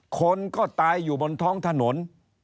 คนก็ตายอยู่บนท้องถนน